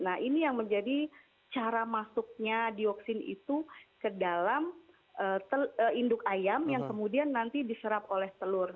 nah ini yang menjadi cara masuknya dioksin itu ke dalam induk ayam yang kemudian nanti diserap oleh telur